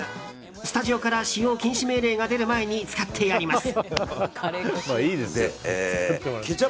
スタジオから使用禁止命令が出る前に使ってやります。